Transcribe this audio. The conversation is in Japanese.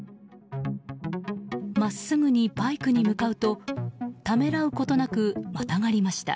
真っすぐにバイクに向かうとためらうことなくまたがりました。